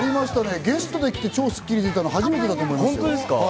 ゲストで超スッキりす出たの初めてだと思います。